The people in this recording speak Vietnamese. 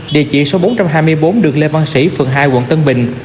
địa chỉ số bốn trăm hai mươi bốn đường lê văn sĩ phường hai quận tân bình